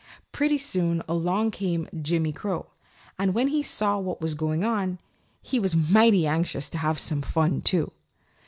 Pretty soon along came Jimmy Crow, and when he saw what was going on, he was mighty anxious to have some fun, too.